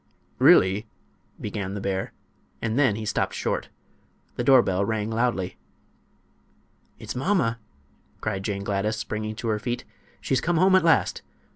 "Really—" began the bear, and then he stopped short. The door bell rang loudly. "It's mamma!" cried Jane Gladys, springing to her feet. "She's come home at last.